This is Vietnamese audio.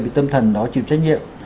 bị tâm thần đó chịu trách nhiệm